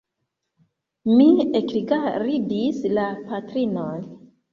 Mi ekrigardis la patrinon.